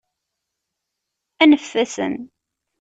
Aneft-asen!